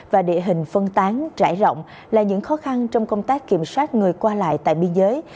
và địa hình phân tán trải rộng là những khó khăn trong công tác kiểm soát người qua lại tại biên giới